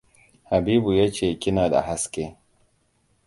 Habibu ya ce kina da haske.